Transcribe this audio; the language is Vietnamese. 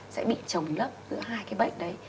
sẽ bị trồng lấp giữa hai cái bệnh đấy